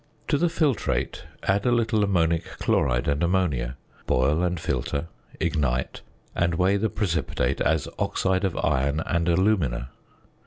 To the filtrate add a little ammonic chloride and ammonia, boil and filter, ignite, and weigh the precipitate as "oxide of iron and alumina."